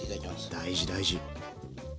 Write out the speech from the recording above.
大事大事。